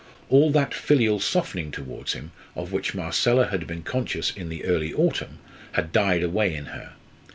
All that filial softening towards him of which Marcella had been conscious in the early autumn had died away in her.